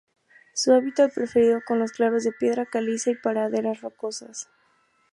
Su hábitat preferido son los claros de piedra caliza y praderas rocosas.